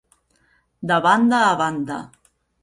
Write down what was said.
De banda a banda.